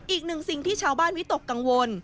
อีกหนึ่งสิ่งที่ชาวบ้านวิตกกังวล